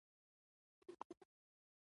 ته ولې ناوخته راغلې